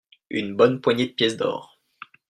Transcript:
Une bonne poignée de pièces d'or.